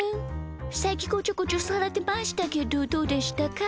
さっきこちょこちょされてましたけどどうでしたか？